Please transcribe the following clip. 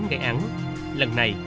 ngày án lần này